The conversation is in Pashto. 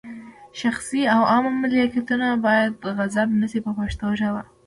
شخصي او عامه ملکیتونه باید غصب نه شي په پښتو ژبه.